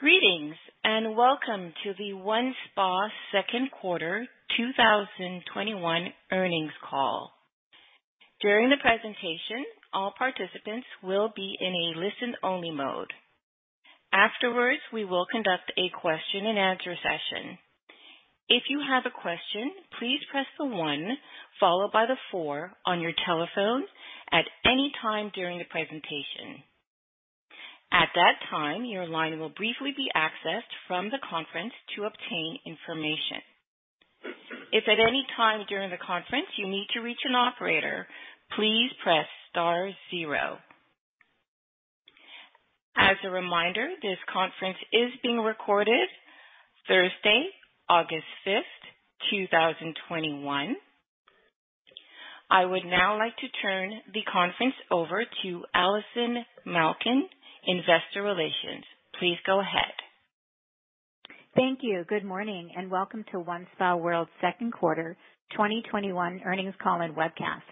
Greetings, and welcome to the OneSpaWorld Q2 2021 earnings call. During the presentation, all participants will be in a listen only mode. Afterwards, we will conduct a question and answer session. If you have a question, please press the one followed by the four on your telephone at any time during the presentation. At that time, your line will briefly be accessed from the conference to obtain information. If at any time during the conference you need to reach an operator, please press star 0. As a reminder, this conference is being recorded Thursday, August 5th, 2021. I would now like to turn the conference over to Allison Malkin, Investor Relations. Please go ahead. Thank you. Good morning, and welcome to OneSpaWorld's Q2 2021 earnings call and webcast.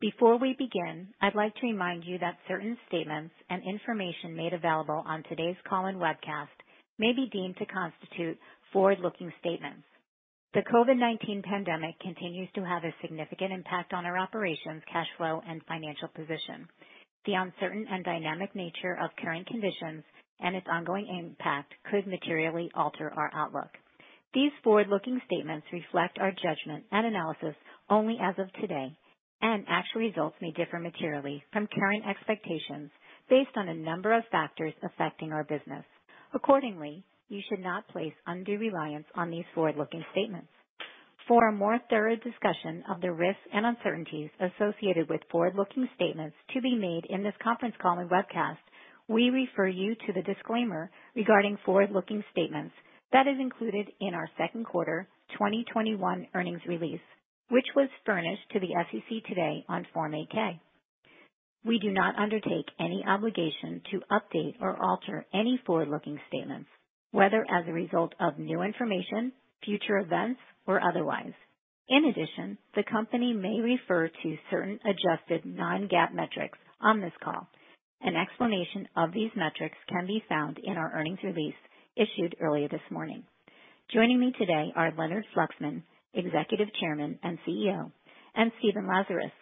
Before we begin, I'd like to remind you that certain statements and information made available on today's call and webcast may be deemed to constitute forward-looking statements. The COVID-19 pandemic continues to have a significant impact on our operations, cash flow, and financial position. The uncertain and dynamic nature of current conditions and its ongoing impact could materially alter our outlook. These forward-looking statements reflect our judgment and analysis only as of today, and actual results may differ materially from current expectations based on a number of factors affecting our business. Accordingly, you should not place undue reliance on these forward-looking statements. For a more thorough discussion of the risks and uncertainties associated with forward-looking statements to be made in this conference call and webcast, we refer you to the disclaimer regarding forward-looking statements that is included in our Q2 2021 earnings release, which was furnished to the SEC today on Form 8-K. We do not undertake any obligation to update or alter any forward looking statements, whether as a result of new information, future events, or otherwise. In addition, the company may refer to certain adjusted non-GAAP metrics on this call. An explanation of these metrics can be found in our earnings release issued earlier this morning. Joining me today are Leonard Fluxman, Executive Chairman and CEO, and Stephen Lazarus,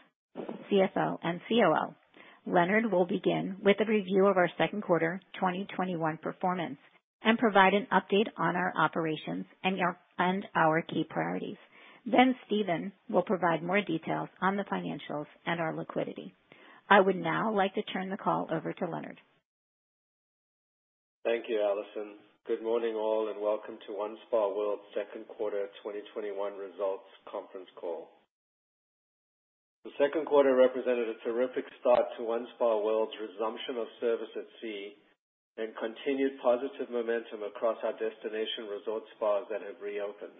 CFO and COO. Leonard will begin with a review of our Q2 2021 performance and provide an update on our operations and our key priorities. Steven will provide more details on the financials and our liquidity. I would now like to turn the call over to Leonard. Thank you, Allison. Good morning, all, welcome to OneSpaWorld's second quarter 2021 results conference call. The second quarter represented a terrific start to OneSpaWorld's resumption of service at sea and continued positive momentum across our destination resort spas that have reopened.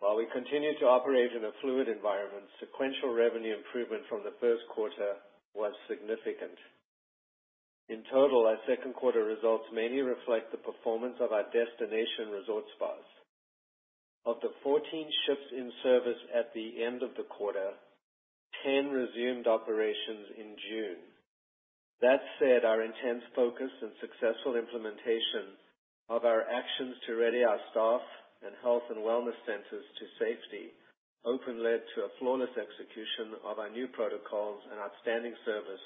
While we continue to operate in a fluid environment, sequential revenue improvement from the Q1 was significant. In total, our Q2 results mainly reflect the performance of our destination resort spas. Of the 14 ships in service at the end of the quarter, 10 resumed operations in June. Our intense focus and successful implementation of our actions to ready our staff and health and wellness centers to safety opened led to a flawless execution of our new protocols and outstanding service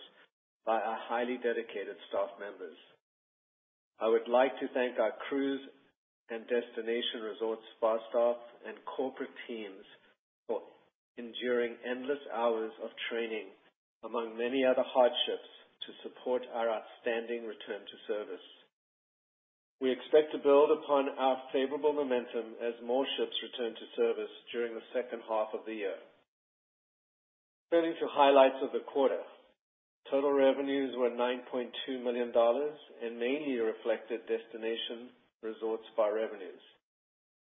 by our highly dedicated staff members. I would like to thank our cruise and destination resort spa staff and corporate teams for enduring endless hours of training, among many other hardships, to support our outstanding return to service. We expect to build upon our favorable momentum as more ships return to service during the second half of the year. Turning to highlights of the quarter. Total revenues were $9.2 million and mainly reflected destination resort spa revenues.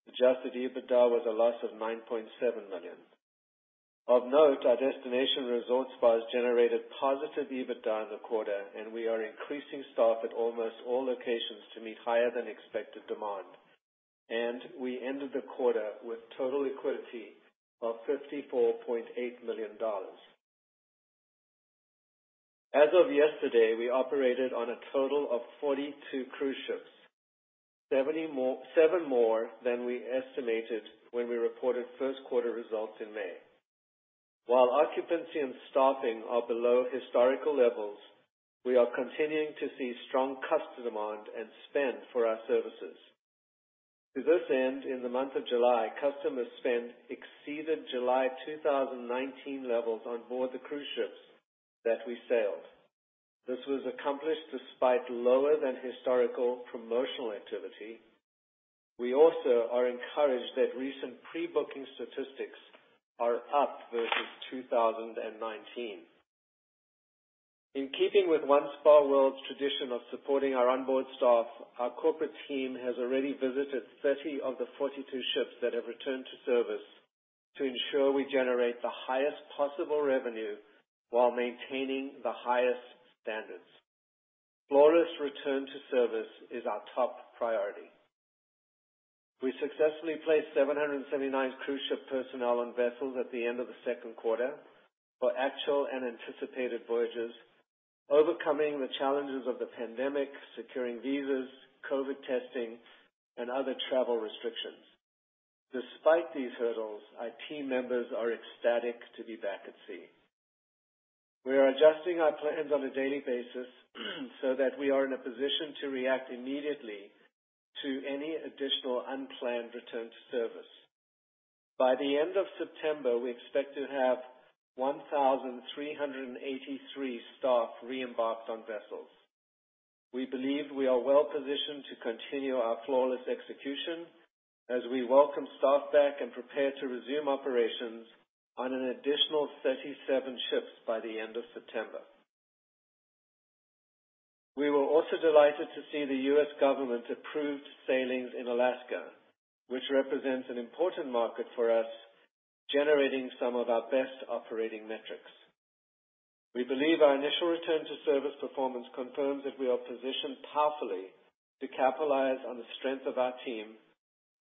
Adjusted EBITDA was a loss of $9.7 million. Of note, our destination resort spas generated positive EBITDA in the quarter, and we are increasing staff at almost all locations to meet higher than expected demand. We ended the quarter with total liquidity of $54.8 million. As of yesterday, we operated on a total of 42 cruise ships, seven more than we estimated when we reported Q1 results in May. While occupancy and staffing are below historical levels, we are continuing to see strong customer demand and spend for our services. To this end, in the month of July, customer spend exceeded July 2019 levels on board the cruise ships that we sailed. This was accomplished despite lower than historical promotional activity. We also are encouraged that recent pre-booking statistics are up versus 2019. In keeping with OneSpaWorld's tradition of supporting our onboard staff, our corporate team has already visited 30 of the 42 ships that have returned to service to ensure we generate the highest possible revenue while maintaining the highest standards. Flawless return to service is our top priority. We successfully placed 779 cruise ship personnel and vessels at the end of the Q2 for actual and anticipated voyages, overcoming the challenges of the pandemic, securing visas, COVID testing, and other travel restrictions. Despite these hurdles, our team members are ecstatic to be back at sea. We are adjusting our plans on a daily basis so that we are in a position to react immediately to any additional unplanned return to service. By the end of September, we expect to have 1,383 staff reembarked on vessels. We believe we are well-positioned to continue our flawless execution as we welcome staff back and prepare to resume operations on an additional 37 ships by the end of September. We were also delighted to see the U.S. government approved sailings in Alaska, which represents an important market for us, generating some of our best operating metrics. We believe our initial return to service performance confirms that we are positioned powerfully to capitalize on the strength of our team,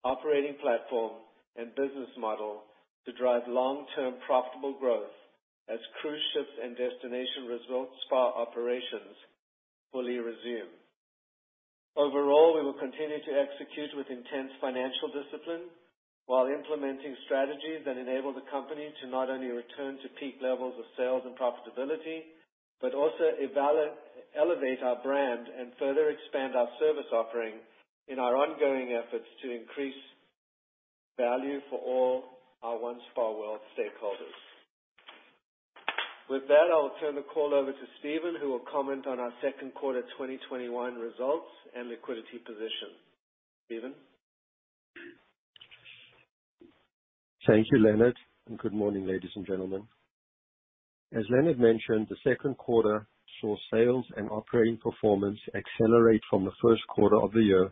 operating platform, and business model to drive long term profitable growth as cruise ships and destination results spa operations fully resume. Overall, we will continue to execute with intense financial discipline while implementing strategies that enable the company to not only return to peak levels of sales and profitability, but also elevate our brand and further expand our service offering in our ongoing efforts to increase value for all our OneSpaWorld stakeholders. With that, I will turn the call over to Stephen, who will comment on our Q2 2021 results and liquidity position. Stephen? Thank you, Leonard, and good morning, ladies and gentlemen. As Leonard mentioned, the Q2 saw sales and operating performance accelerate from the Q1 of the year,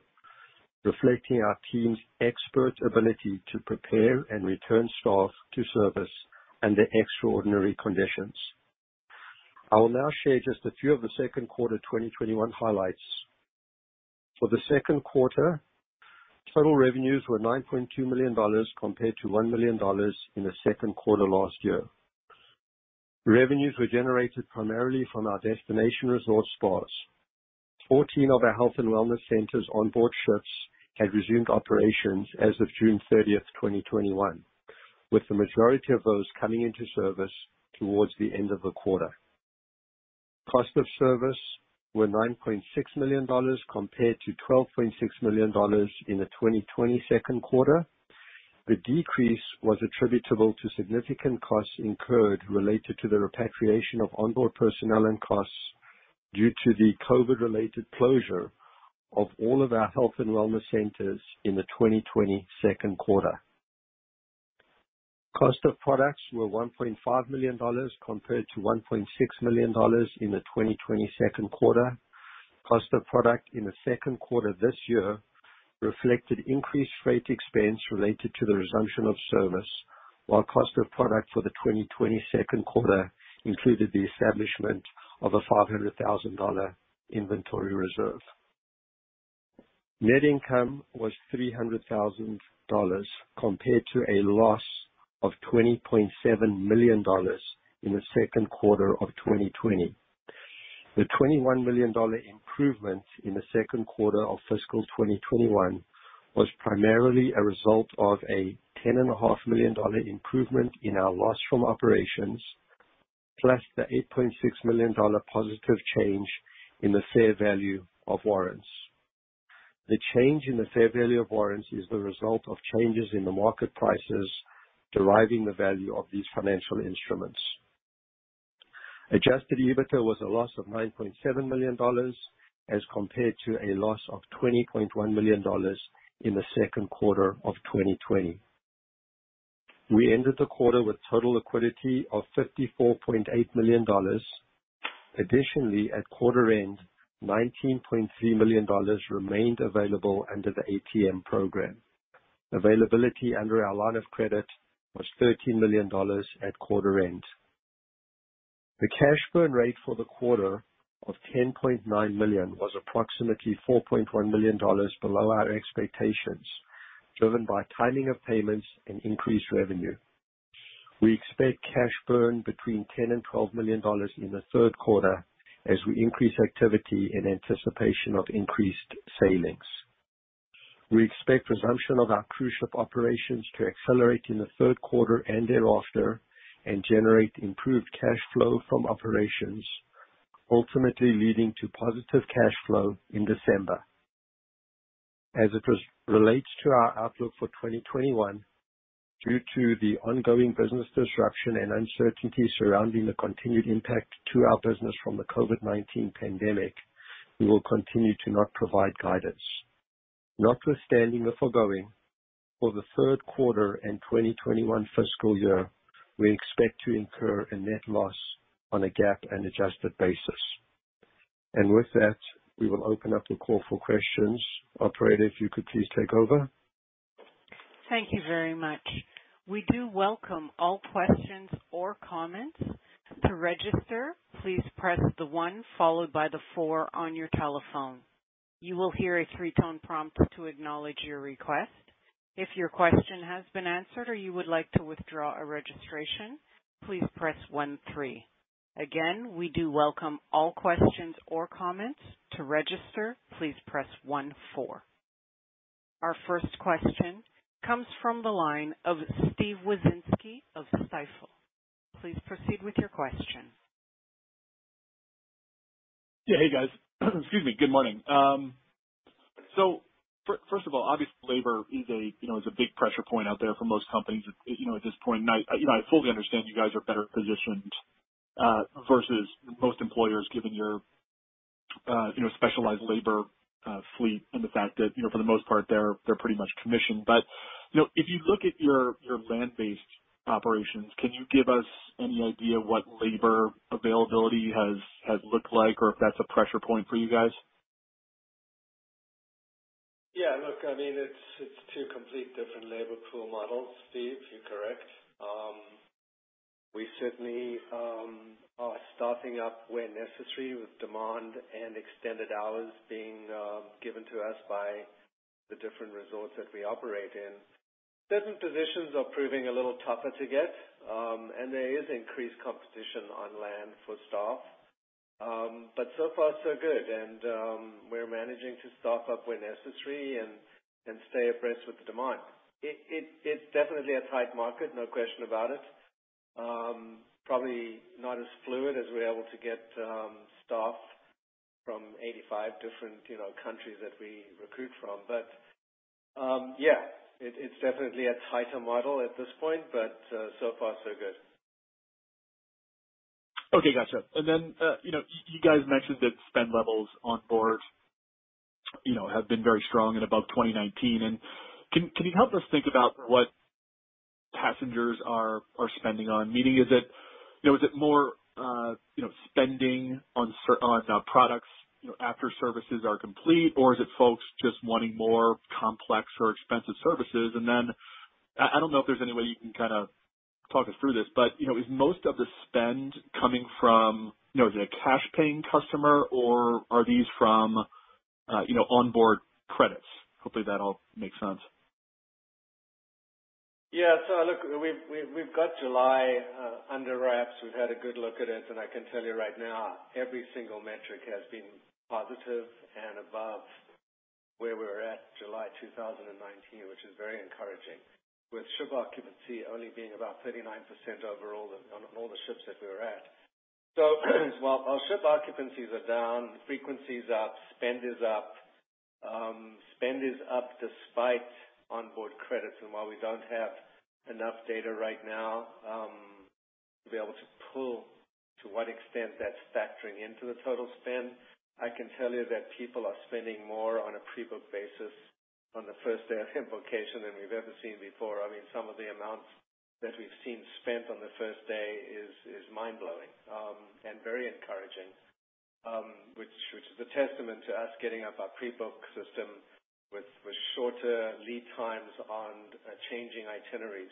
reflecting our team's expert ability to prepare and return staff to service under extraordinary conditions. I will now share just a few of the second quarter 2021 highlights. For the Q2, total revenues were $9.2 million compared to $1 million in the Q2 last year. Revenues were generated primarily from our destination resort spas. 14 of our health and wellness centers on board ships had resumed operations as of June 30th, 2021, with the majority of those coming into service towards the end of the quarter. Cost of service were $9.6 million compared to $12.6 million in the 2020 Q2. The decrease was attributable to significant costs incurred related to the COVID-related closure of all of our health and wellness centers in the 2020 second quarter. Cost of products were $1.5 million compared to $1.6 million in the 2020 Q2. Cost of product in the Q2 this year reflected increased freight expense related to the resumption of service, while cost of product for the 2020 Q2 included the establishment of a $500,000 inventory reserve. Net income was $300,000 compared to a loss of $20.7 million in the Q2 of 2020. The $21 million improvement in the Q2 of fiscal 2021 was primarily a result of a $10.5 million improvement in our loss from operations, plus the $8.6 million positive change in the fair value of warrants. The change in the fair value of warrants is the result of changes in the market prices deriving the value of these financial instruments. Adjusted EBITDA was a loss of $9.7 million as compared to a loss of $20.1 million in the Q2 of 2020. We ended the quarter with total liquidity of $54.8 million. Additionally, at quarter end, $19.3 million remained available under the ATM program. Availability under our line of credit was $13 million at quarter end. The cash burn rate for the quarter of $10.9 million was approximately $4.1 million below our expectations, driven by timing of payments and increased revenue. We expect cash burn between $10 million and $12 million in the third quarter as we increase activity in anticipation of increased sailings. We expect resumption of our cruise ship operations to accelerate in the Q3 and thereafter and generate improved cash flow from operations, ultimately leading to positive cash flow in December. As it relates to our outlook for 2021, due to the ongoing business disruption and uncertainty surrounding the continued impact to our business from the COVID-19 pandemic, we will continue to not provide guidance. Notwithstanding the foregoing, for the Q3 and 2021 fiscal year, we expect to incur a net loss on a GAAP and adjusted basis. With that, we will open up the call for questions. Operator, if you could please take over. Thank you very much. We do welcome all questions or comments. To register, please press the one followed by the four on your telephone. You will hear a three tone prompt to acknowledge your request. If your question has been answered or you would like to withdraw a registration, please press one, three. Again, we do welcome all questions or comments. To register, please press one, four. Our first question comes from the line of Steven Wieczynski of Stifel. Please proceed with your question. Yeah. Hey, guys. Excuse me. Good morning. First of all, obviously labor is a big pressure point out there for most companies at this point. I fully understand you guys are better positioned versus most employers given your specialized labor fleet and the fact that, for the most part, they're pretty much commissioned. If you look at your land-based operations, can you give us any idea what labor availability has looked like or if that's a pressure point for you guys? Yeah. Look, it's two complete different labor pool models, Steve. You're correct. We certainly are staffing up where necessary with demand and extended hours being given to us by the different resorts that we operate in. Certain positions are proving a little tougher to get. There is increased competition on land for staff. So far so good. We're managing to staff up where necessary and stay abreast with the demand. It's definitely a tight market, no question about it. Probably not as fluid as we're able to get staff from 85 different countries that we recruit from. Yeah, it's definitely a tighter model at this point, but so far so good. Okay. Gotcha. You guys mentioned that spend levels on board have been very strong and above 2019. Can you help us think about what passengers are spending on? Meaning, is it more spending on products after services are complete, or is it folks just wanting more complex or expensive services? I don't know if there's any way you can talk us through this, but is most of the spend coming from a cash paying customer, or are these from onboard credits? Hopefully, that all makes sense. Look, we've got July under wraps. We've had a good look at it, and I can tell you right now, every single metric has been positive and above where we were at July 2019, which is very encouraging. With ship occupancy only being about 39% overall on all the ships that we're at. While our ship occupancies are down, frequency is up, spend is up. Spend is up despite onboard credits. While we don't have enough data right now to be able to pull to what extent that's factoring into the total spend, I can tell you that people are spending more on a pre book basis on the first day of invocation than we've ever seen before. Some of the amounts that we've seen spent on the first day is mind-blowing, and very encouraging, which is a testament to us getting up our pre book system with shorter lead times on changing itineraries.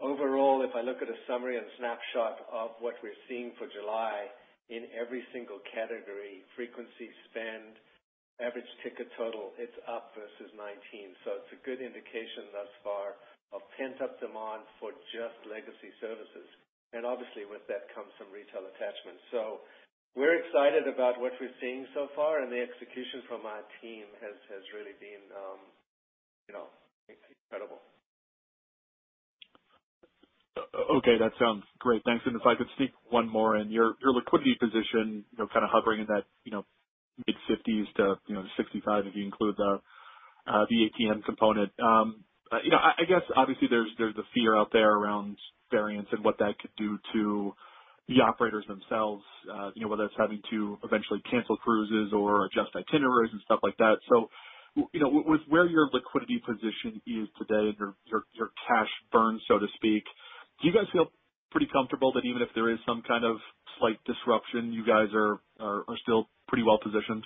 Overall, if I look at a summary and snapshot of what we're seeing for July, in every single category, frequency spend, average ticket total, it's up versus 2019. It's a good indication thus far of pent-up demand for just legacy services. Obviously with that comes some retail attachments. We're excited about what we're seeing so far, and the execution from our team has really been incredible. Okay. That sounds great. Thanks. If I could sneak one more in. Your liquidity position hovering in that mid-50s - 65 if you include the ATM component. I guess obviously there's a fear out there around variants and what that could do to the operators themselves, whether it's having to eventually cancel cruises or adjust itineraries and stuff like that. With where your liquidity position is today and your cash burn, so to speak, do you guys feel pretty comfortable that even if there is some kind of slight disruption, you guys are still pretty well positioned?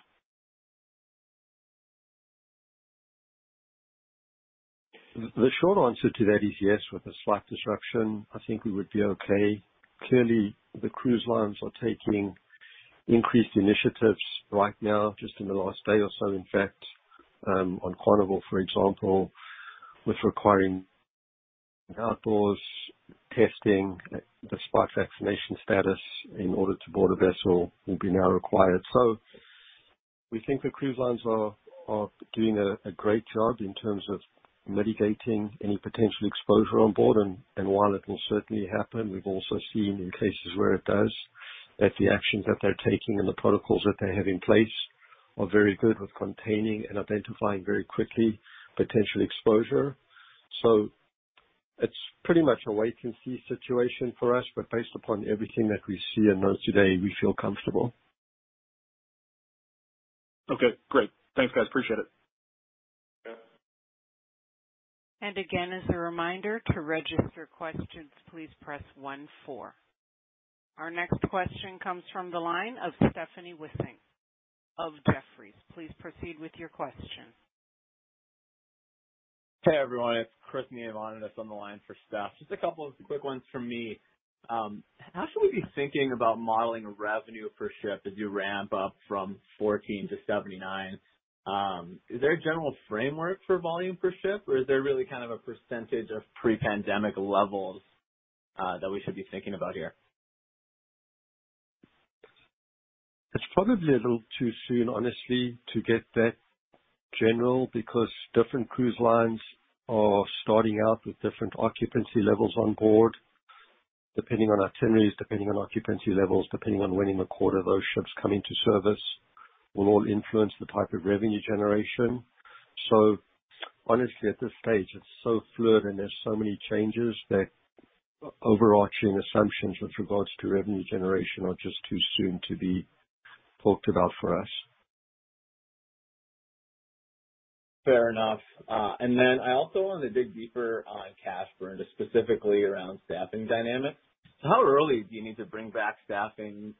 The short answer to that is yes. With a slight disruption, I think we would be okay. Clearly, the cruise lines are taking increased initiatives right now, just in the last day or so, in fact. On Carnival, for example, with requiring outdoors testing despite vaccination status in order to board a vessel will be now required. We think the cruise lines are doing a great job in terms of mitigating any potential exposure on board. While it will certainly happen, we've also seen in cases where it does, that the actions that they're taking and the protocols that they have in place are very good with containing and identifying very quickly potential exposure. It's pretty much a wait and see situation for us, but based upon everything that we see and know today, we feel comfortable. Okay, great. Thanks, guys. Appreciate it. Yeah. Again, as a reminder, to register questions, please press one, four. Our next question comes from the line of Stephanie Wissink of Jefferies. Please proceed with your question. Hey, everyone. It's Chris Niemiec on the line for Steph. Just a couple of quick ones from me. How should we be thinking about modeling revenue per ship as you ramp up from 14- 79? Is there a general framework for volume per ship, or is there really a percentage of pre-pandemic levels that we should be thinking about here? It's probably a little too soon, honestly, to get that general because different cruise lines are starting out with different occupancy levels on board, depending on itineraries, depending on occupancy levels, depending on when in the quarter those ships come into service, will all influence the type of revenue generation. Honestly, at this stage, it's so fluid, and there's so many changes that overarching assumptions with regards to revenue generation are just too soon to be talked about for us. Fair enough. I also wanted to dig deeper on cash burn, specifically around staffing dynamics. How early do you need to bring back staffing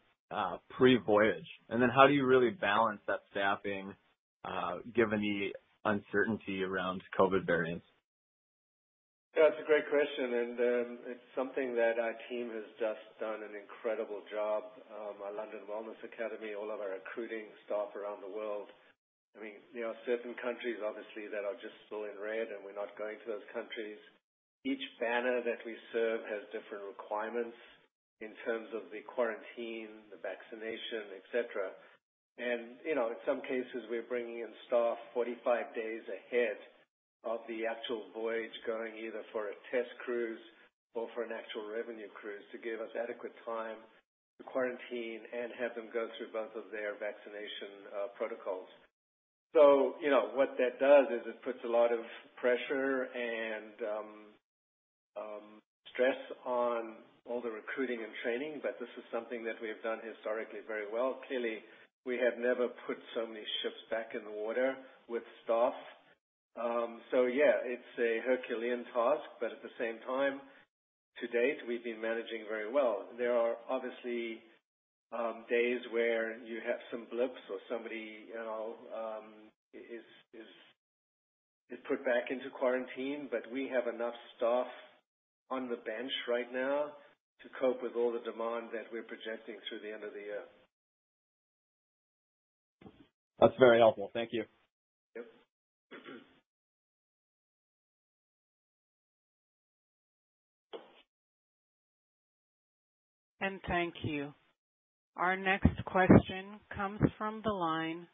pre-voyage? How do you really balance that staffing given the uncertainty around COVID variants? It's a great question, and it's something that our team has just done an incredible job. Our London Wellness Academy, all of our recruiting staff around the world. There are certain countries, obviously, that are just still in red, and we're not going to those countries. Each banner that we serve has different requirements in terms of the quarantine, the vaccination, et cetera. In some cases, we're bringing in staff 45 days ahead of the actual voyage, going either for a test cruise or for an actual revenue cruise to give us adequate time to quarantine and have them go through both of their vaccination protocols. What that does is it puts a lot of pressure and stress on all the recruiting and training, but this is something that we have done historically very well. Clearly, we have never put so many ships back in the water with staff. Yeah, it's a Herculean task, but at the same time, to date, we've been managing very well. There are obviously days where you have some blips or somebody is put back into quarantine, but we have enough staff on the bench right now to cope with all the demand that we're projecting through the end of the year. That's very helpful. Thank you. Yep. Thank you. Our next question comes from the line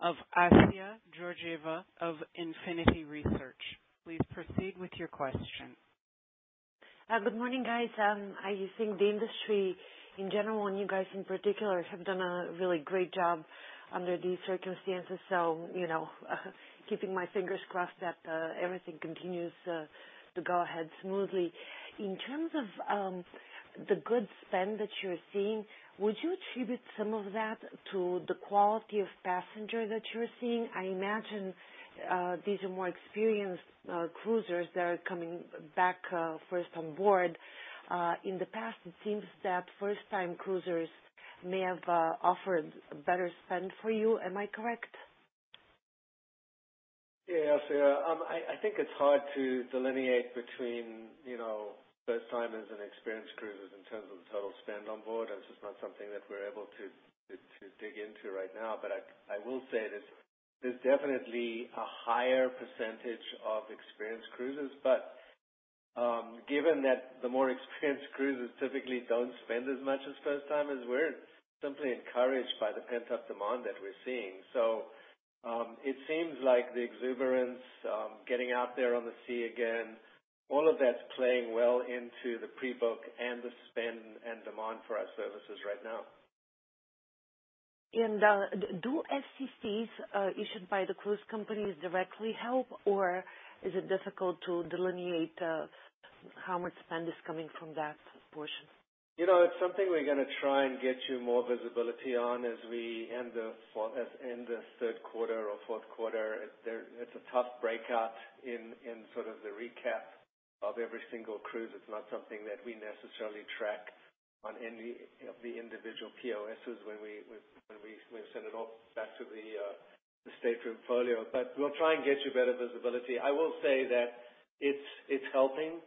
of Assia Georgieva of Infinity Research. Please proceed with your question. Good morning, guys. I think the industry in general, and you guys in particular, have done a really great job under these circumstances. Keeping my fingers crossed that everything continues to go ahead smoothly. In terms of the good spend that you're seeing, would you attribute some of that to the quality of passenger that you're seeing? I imagine these are more experienced cruisers that are coming back first on board. In the past, it seems that first time cruisers may have offered a better spend for you. Am I correct? Assia. I think it's hard to delineate between first-timers and experienced cruisers in terms of the total spend on board. That's just not something that we're able to dig into right now. I will say that there's definitely a higher percentage of experienced cruisers. Given that the more experienced cruisers typically don't spend as much as first timers, we're simply encouraged by the pent-up demand that we're seeing. It seems like the exuberance, getting out there on the sea again, all of that's playing well into the pre-book and the spend and demand for our services right now. Do FCCs issued by the cruise companies directly help, or is it difficult to delineate how much spend is coming from that portion? It's something we're going to try and get you more visibility on as we end the Q3 or Q4. It's a tough breakout in the recap of every single cruise. It's not something that we necessarily track on any of the individual POSs when we send it off back to the state portfolio. We'll try and get you better visibility. I will say that it's helping,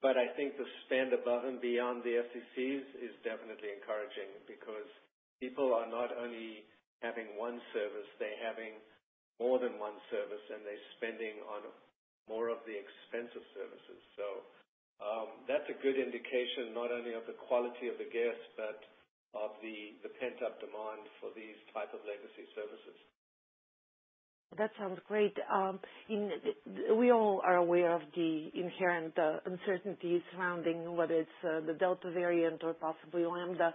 but I think the spend above and beyond the FCCs is definitely encouraging because people are not only having one service, they're having more than one service, and they're spending on more of the expensive services. That's a good indication, not only of the quality of the guest but of the pent-up demand for these type of legacy services. That sounds great. We all are aware of the inherent uncertainties surrounding whether it's the Delta variant or possibly Lambda.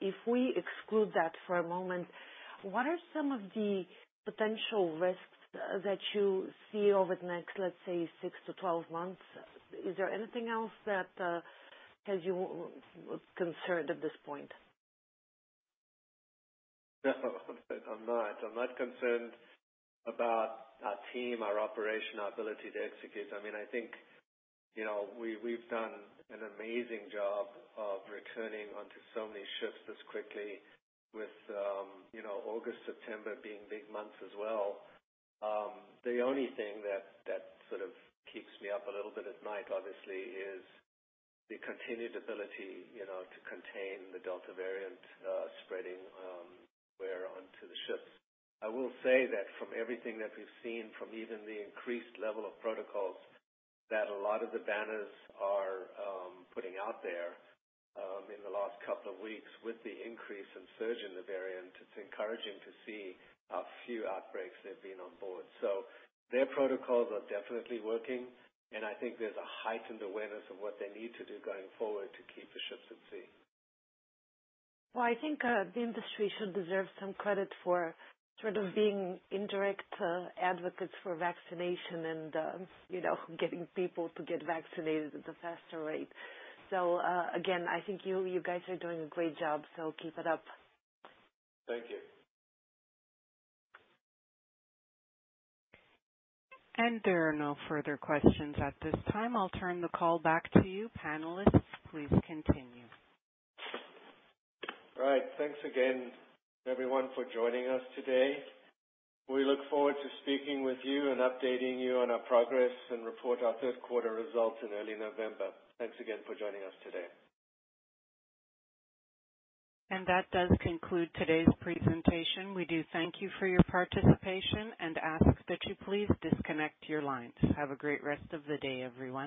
If we exclude that for a moment, what are some of the potential risks that you see over the next, let's say, six to 12 months? Is there anything else that has you concerned at this point? No. I'm not. I'm not concerned about our team, our operation, our ability to execute. I think we've done an amazing job of returning onto so many ships this quickly with August, September being big months as well. The only thing that sort of keeps me up a little bit at night, obviously, is the continued ability to contain the Delta variant spreading where onto the ships. I will say that from everything that we've seen, from even the increased level of protocols that a lot of the brands are putting out there in the last couple of weeks with the increase in surge in the variant, it's encouraging to see how few outbreaks there've been on board. Their protocols are definitely working, and I think there's a heightened awareness of what they need to do going forward to keep the ships at sea. Well, I think the industry should deserve some credit for sort of being indirect advocates for vaccination and getting people to get vaccinated at a faster rate. Again, I think you guys are doing a great job, so keep it up. Thank you. There are no further questions at this time. I'll turn the call back to you, panelists. Please continue. All right. Thanks again, everyone, for joining us today. We look forward to speaking with you and updating you on our progress and report our Q3 results in early November. Thanks again for joining us today. That does conclude today's presentation. We do thank you for your participation and ask that you please disconnect your lines. Have a great rest of the day, everyone.